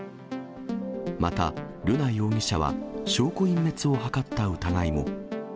また、瑠奈容疑者は証拠隠滅を図った疑いも。